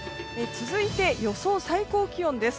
続いて予想最高気温です。